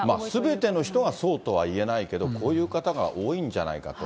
すべての人がそうとはいえないけど、こういう方が多いんじゃないかと。